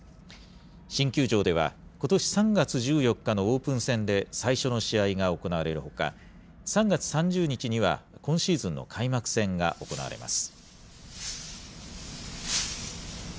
新球場では、ことし３月１４日のオープン戦で最初の試合が行われるほか、３月３０日には、今シーズンの開幕戦が行われます。